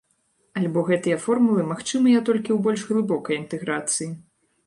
Альбо гэтыя формулы магчымыя толькі ў больш глыбокай інтэграцыі.